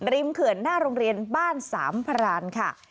เขื่อนหน้าโรงเรียนบ้านสามพรานค่ะ